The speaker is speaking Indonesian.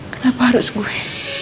kenapa harus gue